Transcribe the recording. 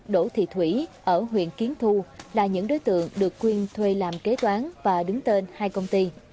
đỗ thị thủy ở huyện kiến thu là những đối tượng được quyên thuê làm kế toán và đứng tên hai công ty